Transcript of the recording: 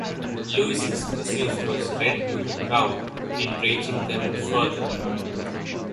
Lewis' message was read to the crowd, enraging them further.